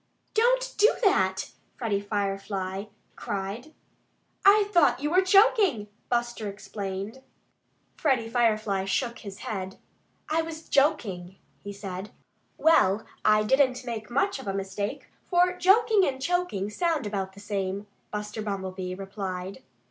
"Don't do that!" Freddie Firefly cried. "I thought you were choking," Buster, explained. Freddie Firefly shook his head. "I was joking," he said. "Well, I didn't make much of a mistake; for joking and choking sound about the same," Buster Bumblebee replied.